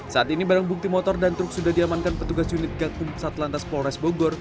saat ini barang bukti motor dan truk sudah diamankan petugas unit gakum satlantas polres bogor